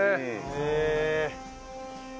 へえ。